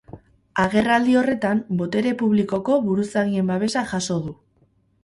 Agerraldi horretan, botere publikoko buruzagien babesa jaso du.